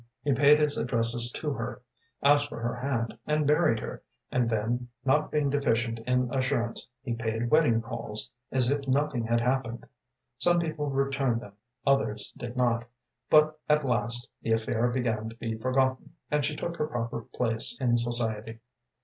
“He paid his addresses to her, asked for her hand and married her, and then, not being deficient in assurance, he paid wedding calls, as if nothing had happened. Some people returned them, others did not; but, at last, the affair began to be forgotten, and she took her proper place in society.